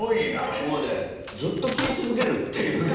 もうねずっと斬り続けるっていうね。